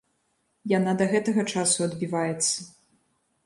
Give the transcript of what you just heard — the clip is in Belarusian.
Яна да гэтага часу адбіваецца.